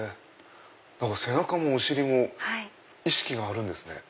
何か背中もお尻も意識があるんですね。